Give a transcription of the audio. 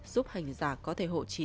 giúp hành giả có thể hộ trí